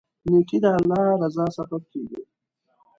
نیکي د الله رضا سبب کیږي.